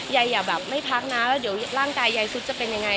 อย่าแบบไม่พักนะแล้วเดี๋ยวร่างกายยายสุดจะเป็นยังไง